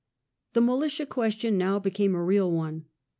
The Militia question now became a real one.